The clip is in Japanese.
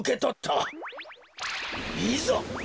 いざ！